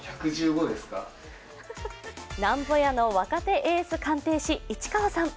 なんぼやの若手エース鑑定士・市川さん。